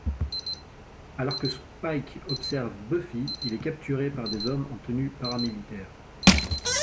Alors que Spike observe Buffy, il est capturé par des hommes en tenue paramilitaire.